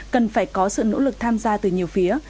cần phải có sự nỗ lực tham gia từ nhiều phía